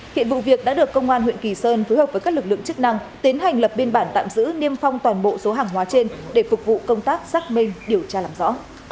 hiện vụ việc đã được công an huyện kỳ sơn phối hợp với các lực lượng chức năng tiến hành lập biên bản tạm giữ niêm phong toàn bộ số hàng hóa trên để phục vụ công tác xác minh điều tra làm rõ